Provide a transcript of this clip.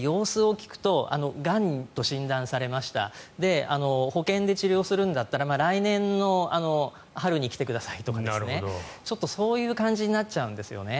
ただ、様子を聞くとがんと診断されました保険で治療するんだったら来年の春に来てくださいとかちょっと、そういう感じになっちゃうんですよね。